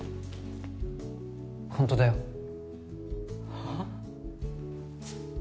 ホントだよはっ？